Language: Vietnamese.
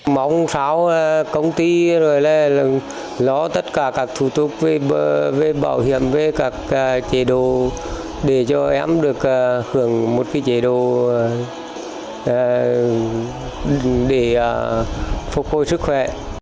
mong pháo công ty ló tất cả các thủ tục về bảo hiểm về các chế độ để cho em được hưởng một cái chế độ để phục hồi sức khỏe